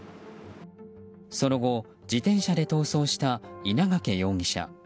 その後、自転車で逃走した稲掛容疑者。